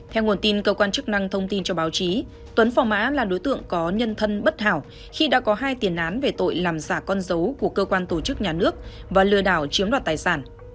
theo nguồn tin cơ quan chức năng thông tin cho báo chí tuấn phong mã là đối tượng có nhân thân bất hảo khi đã có hai tiền án về tội làm giả con dấu của cơ quan tổ chức nhà nước và lừa đảo chiếm đoạt tài sản